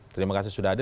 terima kasih sudah ada